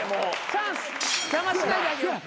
チャンス邪魔しないであげよう。